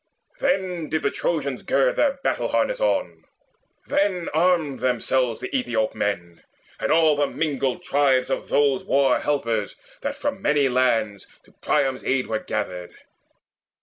Then did the Trojans gird Their battle harness on; then armed themselves The Aethiop men, and all the mingled tribes Of those war helpers that from many lands To Priam's aid were gathered.